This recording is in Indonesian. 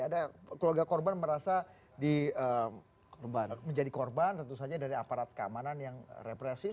ada keluarga korban merasa menjadi korban tentu saja dari aparat keamanan yang represif